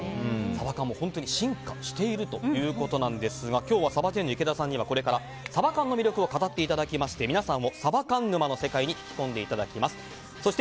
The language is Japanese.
サバ缶も進化しているということですが今日はサバジェンヌ池田さんにはこれからサバ缶の魅力を語っていただきまして皆さんをサバ缶沼の世界に引き込んでいただきます。